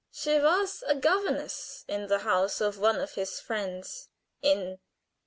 She was a governess in the house of one of his friends in